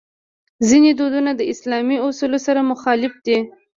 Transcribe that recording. ځینې دودونه د اسلامي اصولو سره مخالف دي.